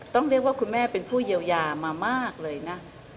ต้องเรียกว่าคุณแม่เป็นผู้เยียวยามามากเลยนะ